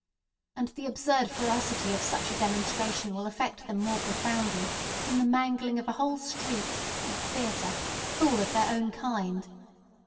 And the absurd ferocity of such a demonstration will affect them more profoundly than the mangling of a whole street—or theatre—full of their own kind.